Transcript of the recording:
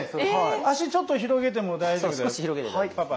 脚ちょっと広げても大丈夫だよパパ。